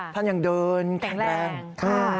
ท่านยังเดินแข็งแรงค่ะ